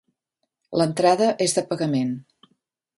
L'entrada és de pagament.